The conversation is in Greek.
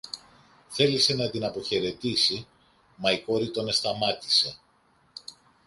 Θέλησε να την αποχαιρετήσει, μα η κόρη τον εσταμάτησε.